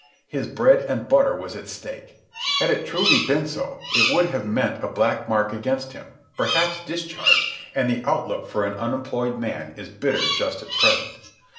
His bread and butter was at stake. Had it truly been so, it would have meant a black mark against him, perhaps discharge and the outlook for an unemployed man is bitter just at present.